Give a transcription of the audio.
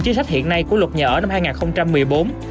chính sách hiện nay của luật nhà ở năm hai nghìn một mươi bốn